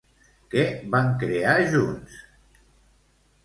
Què van crear junts?